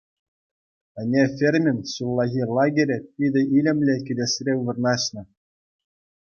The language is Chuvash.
Ӗне фермин «ҫуллахи лагерӗ» питӗ илемлӗ кӗтесре вырнаҫнӑ.